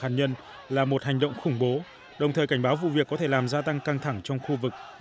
hạt nhân là một hành động khủng bố đồng thời cảnh báo vụ việc có thể làm gia tăng căng thẳng trong khu vực